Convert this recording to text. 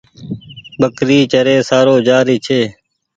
ٻڪري چري سارو جآ ري ڇي۔